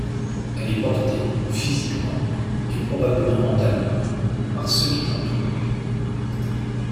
Elle est portée, physiquement, et probablement mentalement, par ceux qui l'entourent.